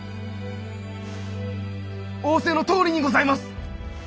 仰せのとおりにございます！